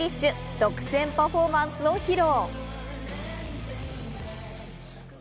独占パフォーマンスを披露。